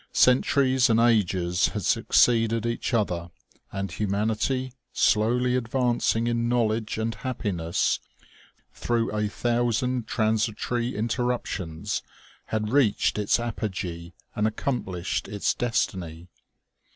Cen turies and ages had succeeded each other, and humanity, slowly advancing in knowledge and happiness, through a thousand transitory interruptions, had reached its apogee and accomplished its destiny.